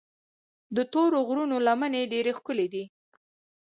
د تورو غرونو لمنې ډېرې ښکلي دي.